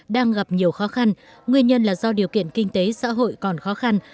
đang gặp nhiều khó khăn nguyên nhân là do điều kiện kinh tế xã hội còn khó khăn